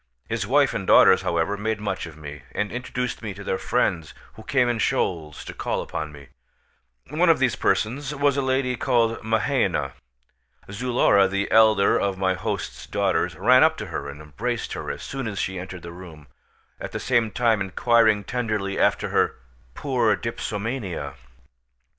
His wife and daughters, however, made much of me, and introduced me to their friends, who came in shoals to call upon me. One of these persons was a lady called Mahaina. Zulora (the elder of my host's daughters) ran up to her and embraced her as soon as she entered the room, at the same time inquiring tenderly after her "poor dipsomania."